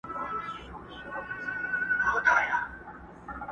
او له خلکو څخه پټه ساتل کيږي